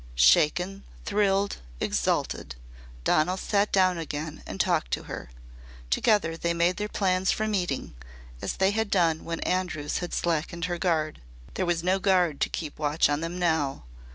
Shaken, thrilled, exalted, Donal sat down again and talked to her. Together they made their plans for meeting, as they had done when Andrews had slackened her guard. There was no guard to keep watch on them now.